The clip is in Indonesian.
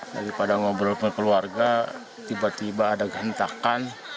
daripada ngobrol dengan keluarga tiba tiba ada gantakan